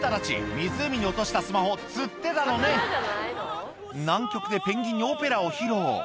湖に落としたスマホを釣ってたのね南極でペンギンにオペラを披露